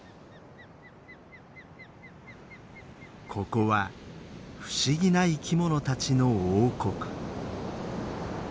ここは不思議な生き物たちの王国。